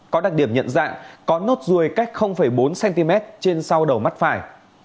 có đặc điểm nhận dạng có nốt ruồi cách bốn cm trên sau đầu mắt phải